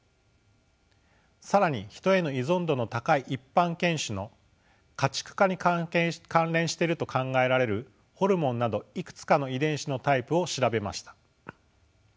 更にヒトへの依存度の高い一般犬種の家畜化に関連していると考えられるホルモンなどいくつかの遺伝子のタイプを調べました。